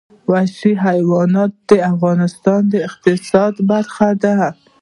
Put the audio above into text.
وحشي حیوانات د افغانستان د اقتصاد برخه ده.